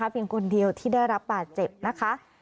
เพียงคนเดียวที่ได้รับบาดเจ็บนะคะ